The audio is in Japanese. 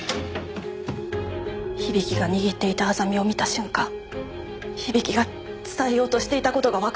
響が握っていたアザミを見た瞬間響が伝えようとしていた事がわかったんです。